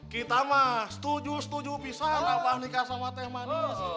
kita mah setuju setuju pisah sama nikah sama teh manis